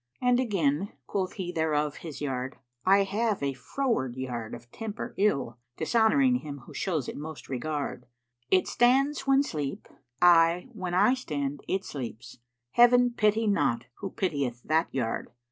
And again quoth he thereof of his yard, 'I have a froward yard of temper ill * Dishonoring him who shows it most regard: It stands when sleep I, when I stand it sleeps * Heaven pity not who pitieth that yard!'"